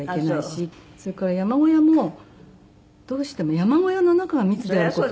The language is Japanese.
それから山小屋もどうしても山小屋の中が密である事を。